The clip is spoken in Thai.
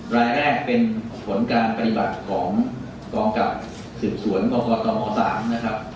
รายแรกเป็นผลการปฏิบัติร้องกลับศึกษวนมศมศนะครับ